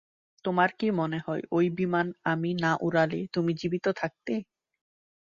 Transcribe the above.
তোমার কী মনে হয় ওই বিমান আমি না উড়ালে তুমি জীবিত থাকতে?